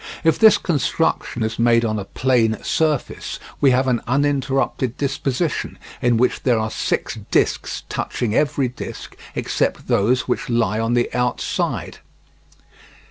If this construction is made on a plane surface, we have an uninterrupted disposition in which there are six discs touching every disc except those which lie on the outside.